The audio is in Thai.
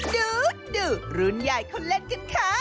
ดูรุ่นใหญ่เขาเล่นกันค่ะ